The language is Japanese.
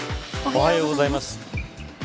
おはようございます。